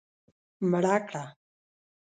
مړه کړه